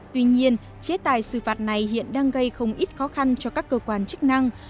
tuy nhiên chế tài xử phạt này hiện đang gây không ít khó khăn cho các cơ quan chức năng